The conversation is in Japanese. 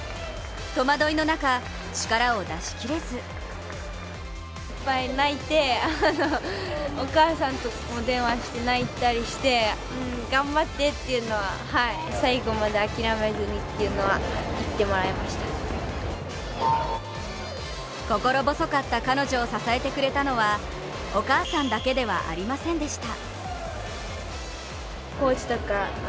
戸惑いの中、力を出し切れず心細かった彼女を支えてくれたのはお母さんだけではありませんでした。